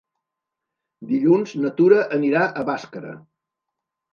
Dilluns na Tura anirà a Bàscara.